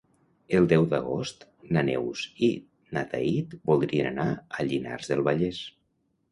El deu d'agost na Neus i na Thaís voldrien anar a Llinars del Vallès.